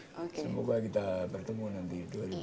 semoga kita bertemu nanti dua ribu enam belas